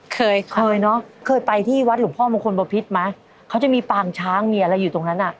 เคยเคยเนอะเคยไปที่วัดหลวงพ่อมงคลบพิษไหมเขาจะมีปางช้างมีอะไรอยู่ตรงนั้นอ่ะ